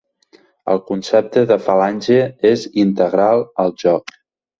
El concepte de falange és integral al joc.